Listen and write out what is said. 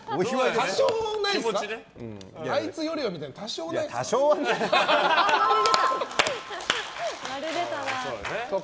多少、あいつよりはみたいな。ないですか？